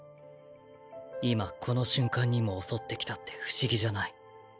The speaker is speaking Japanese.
今この瞬間にも襲ってきたって不思議じゃない。